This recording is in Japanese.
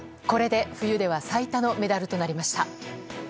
これで冬では最多のメダルとなりました。